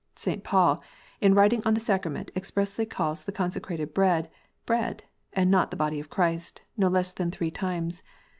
St. Paul, in writing on the sacrament, expressly calls the consecrated bread, " bread," and not the body of Christ, no less than three times.